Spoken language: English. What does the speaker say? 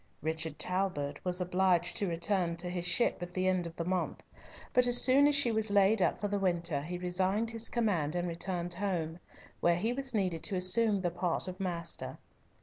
Richard Talbot was obliged to return to his ship at the end of the month, but as soon as she was laid up for the winter he resigned his command, and returned home, where he was needed to assume the part of master.